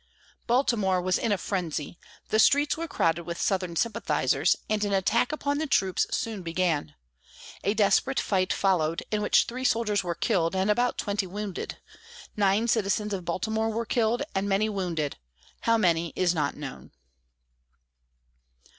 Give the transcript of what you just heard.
Baltimore was in a frenzy, the streets were crowded with Southern sympathizers, and an attack upon the troops soon began. A desperate fight followed, in which three soldiers were killed and about twenty wounded. Nine citizens of Baltimore were killed, and many wounded how many is not known.